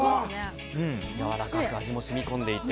やわらかく味も染み込んでいて。